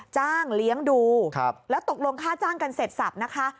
จ้างเลี้ยงดูแล้วตกลงค่าจ้างกันเสร็จสับนะคะ